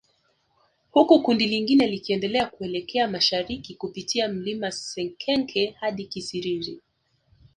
Huku kundi lingine likiendelea kuelekea mashariki kupitia mlima Sekenke hadi Kisiriri